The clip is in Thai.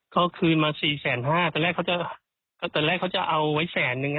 เขาคืนมาสี่แสนห้าตอนแรกเขาจะตอนแรกเขาจะเอาไว้แสนนึง